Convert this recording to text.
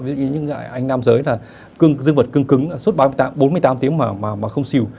ví dụ như anh nam giới là dương vật cưng cứng suốt bốn mươi tám tiếng mà không xìu